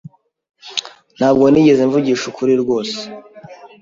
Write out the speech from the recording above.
Ntabwo nigeze mvugisha ukuri rwose.